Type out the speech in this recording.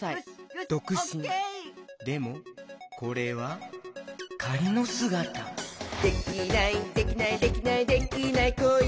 でもこれはかりのすがた「できないできないできないできない子いないか」